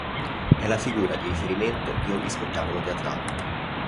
È la figura di riferimento di ogni spettacolo teatrale.